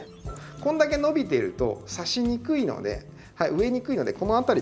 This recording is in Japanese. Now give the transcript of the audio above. こんだけ伸びてるとさしにくいので植えにくいのでこの辺りで切って。